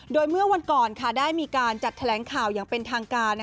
โดยเมื่อวันก่อนได้มีการจัดแถลงข่าวอย่างเป็นทางการ